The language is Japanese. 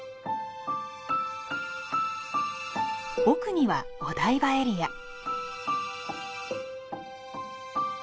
奥にはお台場エリア。